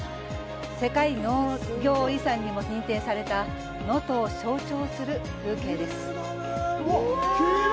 世界農業遺産にも認定された能登を象徴する風景です。